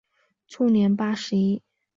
卒年八十一。